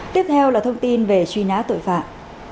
tiếp theo là thông tin về truy nã tội phạm